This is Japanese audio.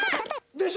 でしょ？